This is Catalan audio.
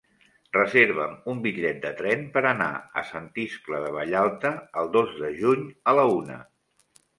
Reserva'm un bitllet de tren per anar a Sant Iscle de Vallalta el dos de juny a la una.